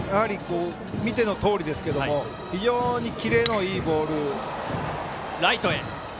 見てのとおり非常にキレのいいボール。